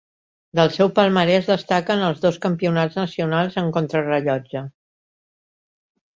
Del seu palmarès destaquen els dos Campionats nacionals en contrarellotge.